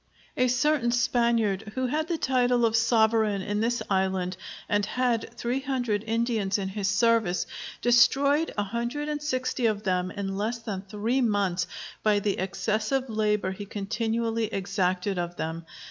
A certain Spaniard, who had the title of Sovereign in this island and had three hundred Indians in his service, destroyed a hundred and sixty of them in less than three months by the excessive labor he continually exacted of them.